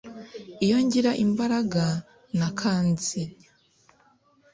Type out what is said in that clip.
iyo ngira imbaraga na kanzinya